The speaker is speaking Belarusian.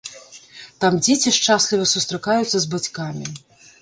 Там дзеці шчасліва сустракаюцца з бацькамі.